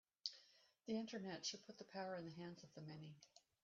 The Internet should put the power in the hands of the many.